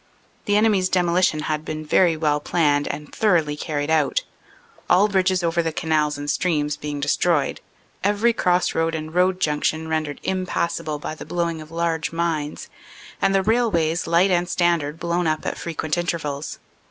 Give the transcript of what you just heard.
The enemy s demolition had been very well planned and thoroughly car ried out, all bridges over the canals and streams being destroyed, every cross road and road junction rendered impas sable by the blowing of large mines, and the railways, light and standard, blown up at frequent intervals.